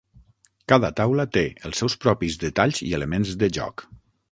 Cada taula té els seus propis detalls i elements de joc.